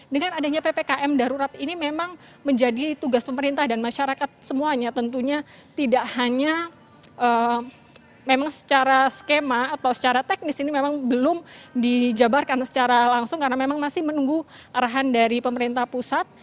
dengan adanya ppkm darurat ini memang menjadi tugas pemerintah dan masyarakat semuanya tentunya tidak hanya memang secara skema atau secara teknis ini memang belum dijabarkan secara langsung karena memang masih menunggu arahan dari pemerintah pusat